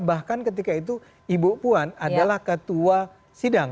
bahkan ketika itu ibu puan adalah ketua sidang